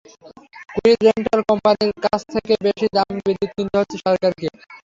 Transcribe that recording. Quick rental কোম্পানির কাছ থেকে বেশি দামে বিদ্যুৎ কিনতে হচ্ছে সরকারকে।